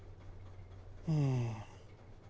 うん。